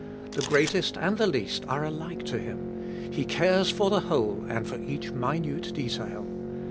The greatest and the least are alike to Him ; He cares for the whole and for each minute detail.